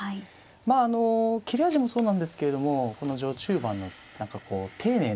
まああの切れ味もそうなんですけれどもこの序中盤の何かこう丁寧な組み立てっていうんですかね